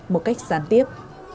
một cách gián tiếp